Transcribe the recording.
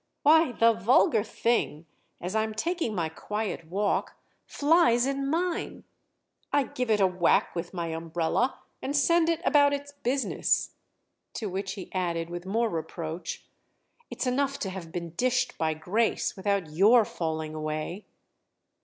Why, the vulgar thing, as I'm taking my quiet walk, flies in mine! I give it a whack with my umbrella and send it about its business." To which he added with more reproach: "It's enough to have been dished by Grace—without your falling away!"